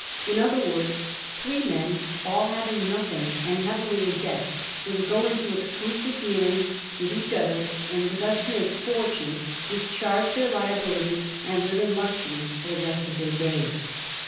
In other words, three men, aU having nothing, and heavily in debt, were to go into exclusive dealings with each other, and were thus to make fortunes, dis charge their liabilities, and live in luxury for the rest of their days.